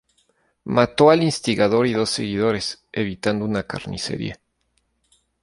Mató al instigador y dos seguidores, evitando una carnicería.